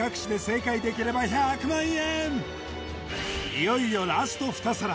いよいよラスト２皿！